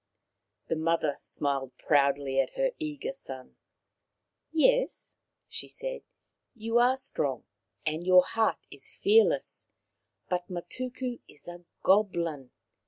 The mother smiled proudly at her eager son. 11 Yes," she said, " you are strong, and your heart is fearless, but Matuku is a goblin.